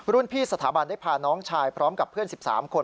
พี่สถาบันได้พาน้องชายพร้อมกับเพื่อน๑๓คน